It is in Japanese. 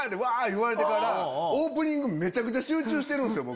言われてからめちゃくちゃ集中してるんすよ。